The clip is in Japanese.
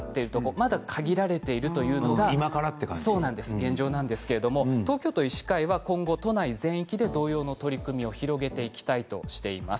まだ限られているというのが現状なんですけれども東京都医師会は今後都内全域で同様の取り組みを広げていきたいとしています。